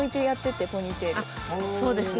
そうですね。